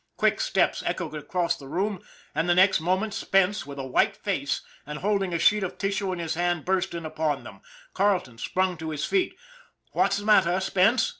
Quick steps echoed across the room, and the next moment Spence, with a white face and holding a sheet of tissue in his hand, burst in upon them. Carleton sprang to his feet. "What's the matter, Spence?"